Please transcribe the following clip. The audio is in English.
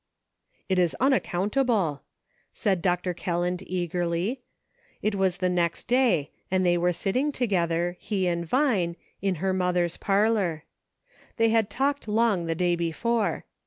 " It is unaccountable !" said Dr. Kelland eagerly — it was the next day, and they were sitting to gether, he and Vine, in her mother's parlor. They had talked long the day before.